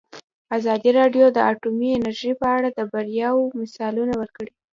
ازادي راډیو د اټومي انرژي په اړه د بریاوو مثالونه ورکړي.